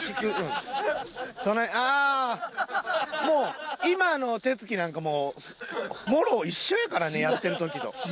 もう今の手つきなんかもうもろ一緒やからねやってる時と。